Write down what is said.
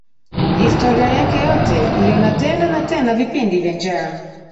Historia yake yote iliona tena na tena vipindi vya njaa